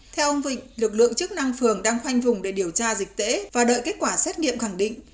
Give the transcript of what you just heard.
theo ông vịnh lực lượng chức năng phường đang khoanh vùng để điều tra dịch tễ và đợi kết quả xét nghiệm khẳng định